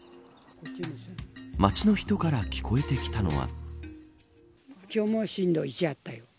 街の人から聞こえてきたのは。